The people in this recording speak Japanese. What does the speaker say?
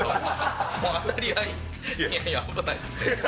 いやいや危ないですって。